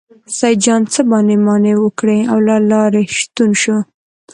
سیدجان څه بانې مانې وکړې او له لارې ستون شو.